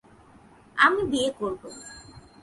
আমি বিয়ে করব!